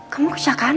kamu ke siakan